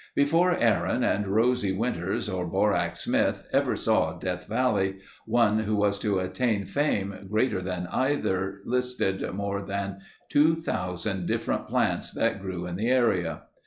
Before Aaron and Rosie Winters or Borax Smith ever saw Death Valley, one who was to attain fame greater than either listed more than 2000 different plants that grew in the area.